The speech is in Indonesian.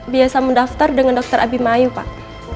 biasa mendaftar dengan dr abimayu pak